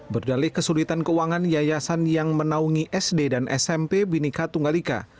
berdalih kesulitan keuangan yayasan yang menaungi sd dan smp bineca tunggal ika